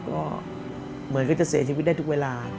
ก็เหมือนก็จะเสียชีวิตได้ทุกเวลา